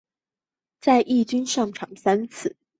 在一军上场三次。